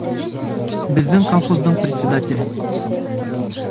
Беззең колхоздың председателе...